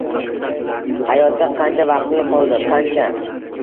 Hayotda qancha vaqting qoldi? Qancha?